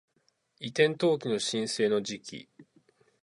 移転登記の申請の時期